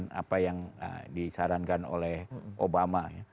selalu ada yang melaras dengan apa yang disarankan oleh obama